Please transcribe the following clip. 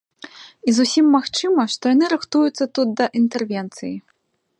І зусім магчыма, што яны рыхтуюцца тут да інтэрвенцыі.